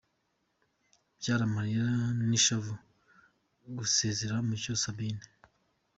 Byari amarira n’ishavu mu gusezera Mucyo Sabine